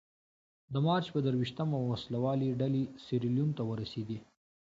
د مارچ په درویشتمه وسله والې ډلې سیریلیون ته ورسېدې.